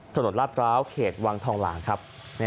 ลาดพร้าวเขตวังทองหลางครับ